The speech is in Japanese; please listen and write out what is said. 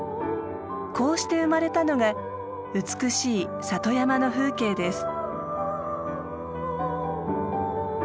こうして生まれたのが美しい里山の風景です。